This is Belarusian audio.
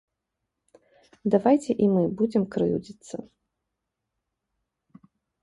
Давайце і мы будзем крыўдзіцца.